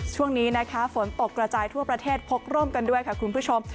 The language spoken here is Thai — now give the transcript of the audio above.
ช่วงนี้นะคะฝนตกกระจายทั่วประเทศพกร่มกันด้วยค่ะคุณผู้ชม